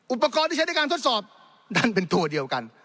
อุปกรณ์ที่ใช้ในการทดสอบดันเป็นตัวเดียวกัน